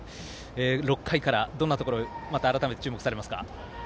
６回からどんなところを改めて注目されますか？